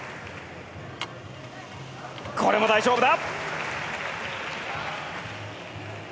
これも大丈夫だ。